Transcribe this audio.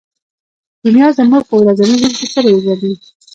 کیمیا زموږ په ورځني ژوند کې څه رول لري.